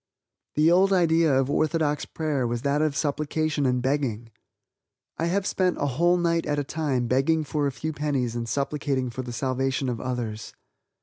The old idea of orthodox prayer was that of supplication and begging. I have spent a whole night at a time begging for a few pennies and supplicating for the salvation of others.